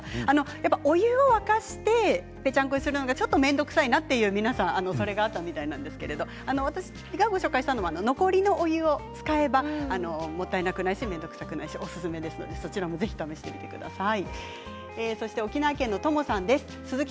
やっぱりお湯を沸かしてぺちゃんこにするのがちょっと面倒くさいなと皆さんそれがあったみたいですけど私がご紹介したのは残りのお湯を使えばもったいなくないし面倒くさくないしおすすめですので、そちらもぜひ試してみてください。